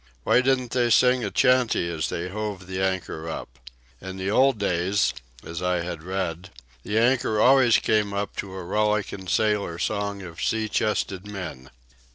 Why didn't they sing a chanty as they hove the anchor up? In the old days, as I had read, the anchor always came up to the rollicking sailor songs of sea chested men.